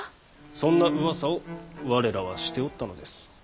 そんなうわさを我らはしておったのです。